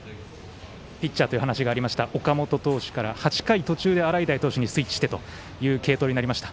ピッチャーという話がありました岡本投手から８回途中に洗平投手にスイッチしてという継投になりました。